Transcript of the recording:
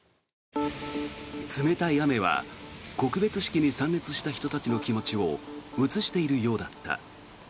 冷たい雨は告別式に参列した人たちの気持ちを映しているようだった。